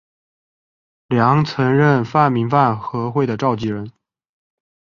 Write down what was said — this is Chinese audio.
梁曾任泛民饭盒会的召集人。